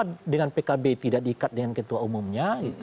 karena dengan pkb tidak diikat dengan ketua umumnya